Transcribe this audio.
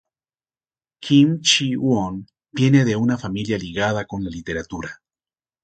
Kim Chi-won viene de una familia ligada con la literatura.